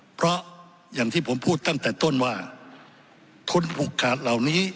เพราะอย่างที่ผมพูดตั้งแต่ต้นว่าทุนผูกขาดเหล่านี้